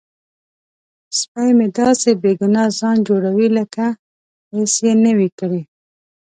سپی مې داسې بې ګناه ځان جوړوي لکه هیڅ یې نه وي کړي.